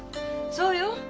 そうよ。